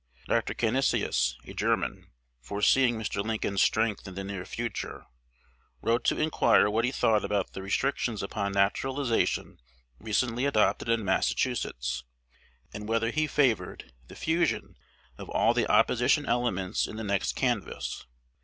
Dr. Canisius, a German, foreseeing Mr. Lincoln's strength in the near future, wrote to inquire what he thought about the restrictions upon naturalization recently adopted in Massachusetts, and whether he favored the fusion of all the opposition elements in the next canvass.